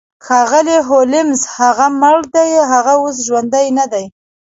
ښاغلی هولمز هغه مړ دی هغه اوس ژوندی ندی